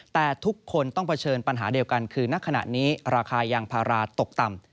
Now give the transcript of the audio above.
แต่ทุกคนต้องเผชิญปัญหาเดียวกันคือณขณะนี้ราคายางพาราตกต่ำ